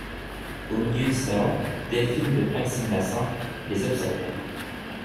Au milieu du salon, Delphine de Praxi-Blassans les observait.